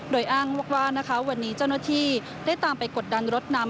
โดยอ้างว่านะคะวันนี้เจ้าหน้าที่ได้ตามไปกดดันรถน้ำ